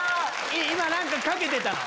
今何かかけてたの？